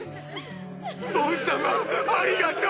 ボン様ありがとう！！